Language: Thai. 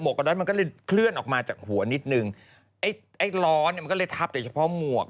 กระดอนมันก็เลยเคลื่อนออกมาจากหัวนิดนึงไอ้ไอ้ล้อเนี่ยมันก็เลยทับแต่เฉพาะหมวก